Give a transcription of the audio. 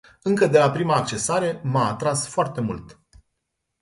Încă de la prima accesare m-a atras foarte mult.